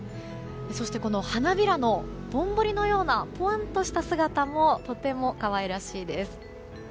そして花びらのぼんぼりのようなぽわんとした姿もとても可愛らしいです。